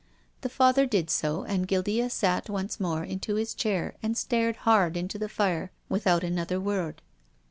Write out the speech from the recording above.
The Father did so, and Guildea sank once more into his chair and stared hard into the fire with out another word.